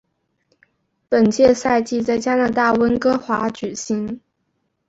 本届赛事在加拿大温哥华举行。